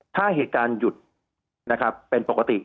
ถ้าเหตุการณ์หยุดเป็นปกติ